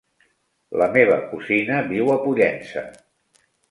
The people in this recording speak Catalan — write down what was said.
La meva cosina viu a Pollença.